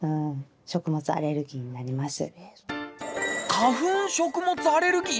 花粉食物アレルギー？